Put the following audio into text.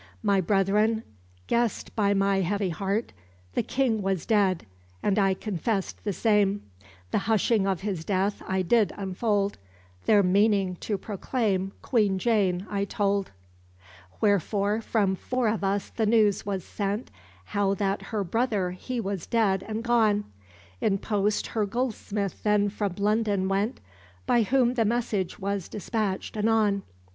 My brethren guessèd by my heavie hearte, The King was dead, and I confess'd the same: The hushing of his death I didd unfolde, Their meaning to proclaime Queene Jane I tolde. Wherefore from four of us the newes was sent How that her brother hee was dead and gone; In post her goldsmith then from London went, By whom the message was dispatcht anon.